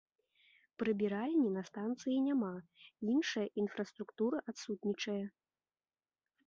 Прыбіральні на станцыі няма, іншая інфраструктура адсутнічае.